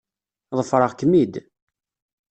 Ḍefreɣ-kem-id.